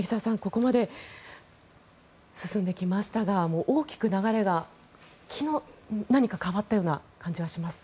ここまで進んできましたが大きく流れが、昨日何か変わったような感じはします。